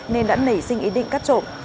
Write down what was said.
nên đã nảy sinh ý định cắt trộn